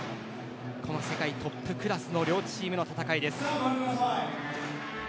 この世界トップクラスの両チームの戦いです。